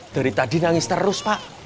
dari tadi nangis terus pak